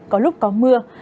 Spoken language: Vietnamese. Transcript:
có lúc có mưa